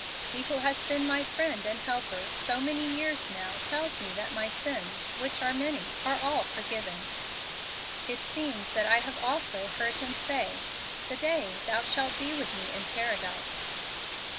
He who has been my friend and helper so many years now tells me that my sins, which are many, are all forgiven. It seems that I have also heard Him say, 'To day thou shalt be with me in Paradise.'"